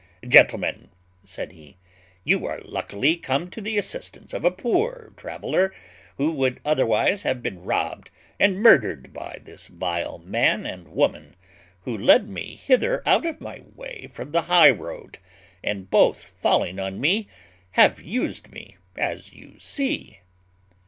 Gentlemen," said he, "you are luckily come to the assistance of a poor traveller, who would otherwise have been robbed and murdered by this vile man and woman, who led me hither out of my way from the high road, and both falling on me have used me as you see."